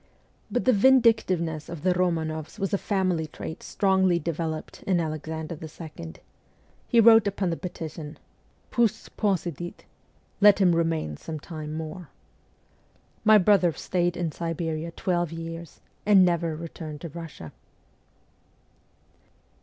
But the vindictiveness of the Romanoffs was a family trait strongly developed in Alexander II. He wrote upon the petition, ' Pust posidit ' (Let him remain some time more). My brother stayed in Siberia twelve years, and never returned to Kussia.